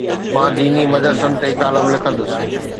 مان ديني مدرسن تي ڪالم لکندس.